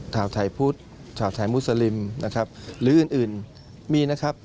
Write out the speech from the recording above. ชาวไทยพุทธชาวไทยมุสลิมนะครับหรืออื่นอื่นมีนะครับ